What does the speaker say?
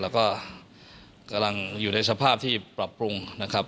แล้วก็กำลังอยู่ในสภาพที่ปรับปรุงนะครับ